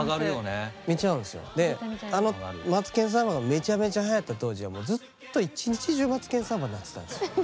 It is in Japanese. であの「マツケンサンバ」がめちゃめちゃはやった当時はもうずっと一日中「マツケンサンバ」鳴ってたんですよ。